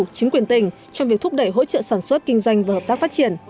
chính quyền tỉnh trong việc thúc đẩy hỗ trợ sản xuất kinh doanh và hợp tác phát triển